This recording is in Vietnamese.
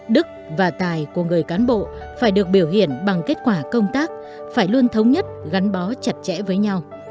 đức và tài của người cán bộ phải được biểu hiện bằng kết quả công tác phải luôn thống nhất gắn bó chặt chẽ với nhau